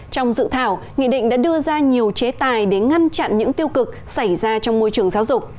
trong dự thảo nghị định đã đưa ra nhiều chế tài để ngăn chặn những tiêu cực xảy ra trong môi trường giáo dục